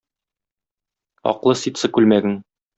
Аклы ситсы күлмәгең